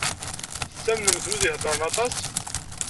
Tettamnemt wid i iheddṛen aṭas?